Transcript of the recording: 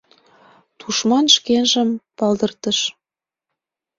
Тушман шкенжым палдыртыш.